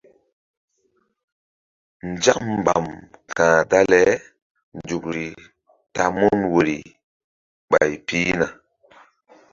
Nzak mbam ka̧h dale nzukri ta mun woyri ɓay pihna.